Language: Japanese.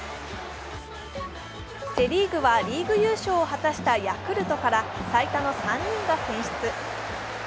セ・リーグはリーグ優勝を果たしたヤクルトから最多の３人が選出。